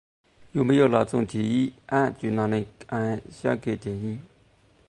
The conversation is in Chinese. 有没有那种第一眼就让人爱上的电影？